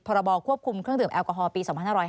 พรบควบคุมเครื่องดื่มแอลกอฮอลปี๒๕๕๙